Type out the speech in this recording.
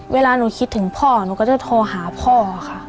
เวลาหนูคิดถึงพ่อหนูก็จะโทรหาพ่อค่ะ